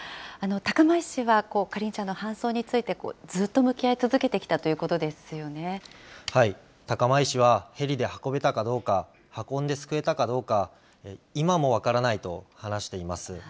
高間医師は花梨ちゃんの搬送について、ずっと向き合い続けてきた高間医師は、ヘリで運べたかどうか、運んで救えたかどうか、今も分からないと話しています。